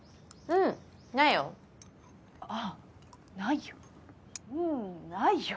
うんないよ？